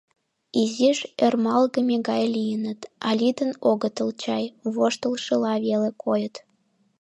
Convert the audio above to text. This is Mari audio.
Изиш ӧрмалгыме гай лийыныт, а лӱдын огытыл чай, воштылшыла веле койыт.